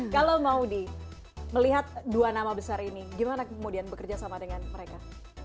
kalau maudie melihat dua nama besar ini gimana kemudian bekerja sama dengan mereka